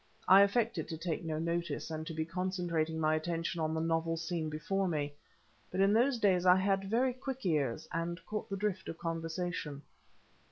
I affected to take no notice and to be concentrating my attention on the novel scene before me; but in those days I had very quick ears, and caught the drift of the conversation.